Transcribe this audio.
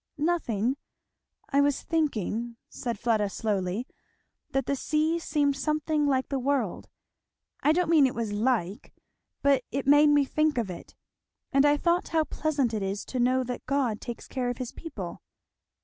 "Nothing I was thinking," said Fleda slowly, "that the sea seemed something like the world, I don't mean it was like, but it made me think of it; and I thought how pleasant it is to know that God takes care of his people."